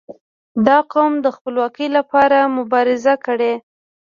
• دا قوم د خپلواکي لپاره مبارزه کړې.